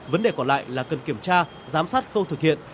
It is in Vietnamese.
vấn đề còn lại là cần kiểm tra giám sát khâu thực hiện